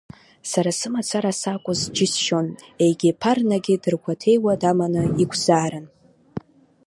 Сара сымацара сакәыз џьысшьон, егьи ԥарнагьы дыргәаҭеиуа даманы иқәзаарын.